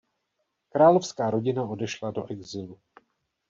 Královská rodina odešla do exilu.